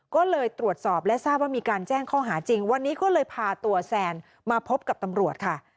ก็เลยตรวจสอบและทราบว่ามีการแจ้งข้อหาจริงวันนี้ก็เลยพาตัวแซนมาพบกับตำรวจค่ะ